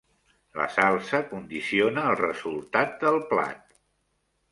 La salsa condiciona el resultat del plat.